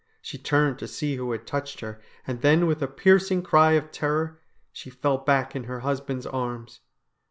She turned to see who had touched her, and then with a piercing cry of terror she fell back in her husband's arms.